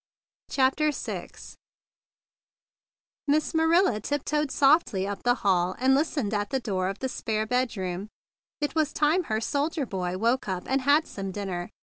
CHAPTER VI Miss Marilla tiptoed softly up the hall, and listened at the door of the spare bedroom. It was time her soldier boy woke up and had some dinner.